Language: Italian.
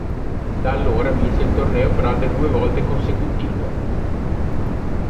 Da allora vinse il torneo per altre due volte consecutive.